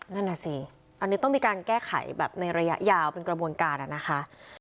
นั่นน่ะสิอันนี้ต้องมีการแก้ไขแบบในระยะยาวเป็นกระบวนการนะคะ